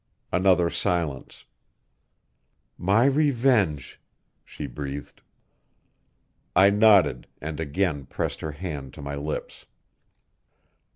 Another silence. "My revenge," she breathed. I nodded and again pressed her hand to my lips.